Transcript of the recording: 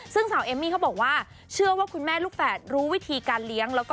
ซึ่งสาวเอมมี่เขาบอกว่าเชื่อว่าคุณแม่ลูกแฝดรู้วิธีการเลี้ยง